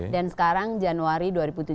dan sekarang januari dua ribu tujuh belas